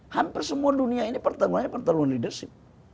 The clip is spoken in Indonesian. hampir semua dunia ini pertarungannya pertarungan leadership